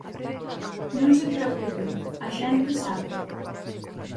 Non se preocupen, a xente sábeo.